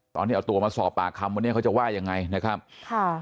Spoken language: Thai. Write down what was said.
ตอนที่เอาตัวมาสอบปากคำวันนี้เขาจะว่ายังไงนะครับค่ะ